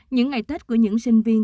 những ngày tết của những sinh viên